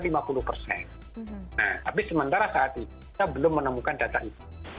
nah tapi sementara saat ini kita belum menemukan data itu